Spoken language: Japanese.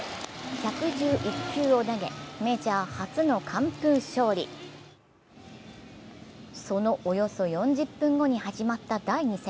１１１球を投げメジャー初の完封勝利その、およそ４０分後に始まった第２戦。